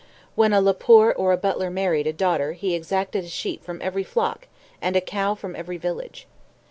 When a le Poer or a Butler married a daughter he exacted a sheep from every flock, and a cow from every village.